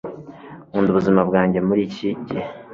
nkunda ubuzima bwanjye muri iki gihe